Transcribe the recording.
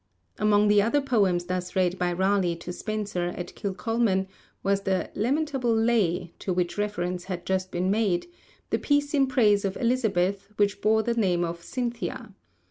Among the other poems thus read by Raleigh to Spenser at Kilcolman was the 'lamentable lay' to which reference had just been made the piece in praise of Elizabeth which bore the name of Cynthia.